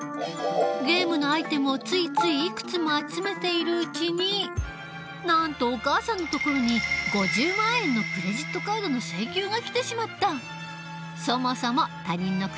ゲームのアイテムをついついいくつも集めているうちになんとお母さんのところに５０万円のクレジットカードの請求が来てしまった。